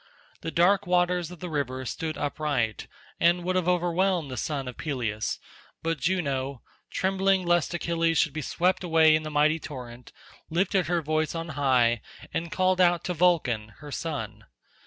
The dark waters of the river stood upright and would have overwhelmed the son of Peleus, but Juno, trembling lest Achilles should be swept away in the mighty torrent, lifted her voice on high and called out to Vulcan her son.